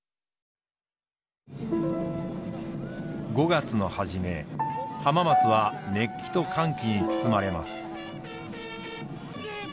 ５月の初め浜松は熱気と歓喜に包まれます。